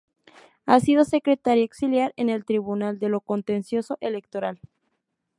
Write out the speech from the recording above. Ha sido secretaria auxiliar en el Tribunal de lo Contencioso Electoral.